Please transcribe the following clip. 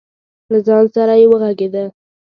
له ځان سره یې وغږېده.